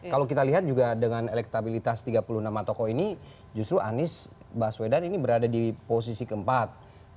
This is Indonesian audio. kalau kita lihat juga dengan elektabilitas tiga puluh enam tokoh ini justru anies baswedan ini berada di posisi keempat